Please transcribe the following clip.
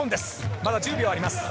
まだ１０秒あります。